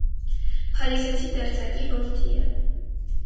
Փարիզեցի դերձակի որդի է։